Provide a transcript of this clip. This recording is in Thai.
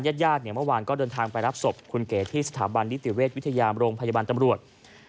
ญาติญาติเนี่ยเมื่อวานก็เดินทางไปรับศพคุณเก๋ที่สถาบันนิติเวชวิทยาโรงพยาบาลตำรวจ